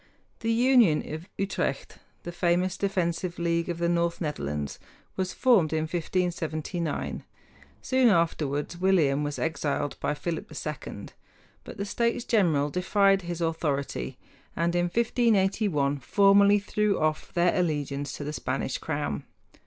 The Union of Utrecht, the famous defensive league of the North Netherlands, was formed in 1579. Soon afterward William was exiled by Philip II; but the States General defied his authority, and in 1581 formally threw off their allegiance to the Spanish crown.